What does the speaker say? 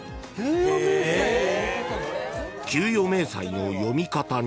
［給与明細の読み方に］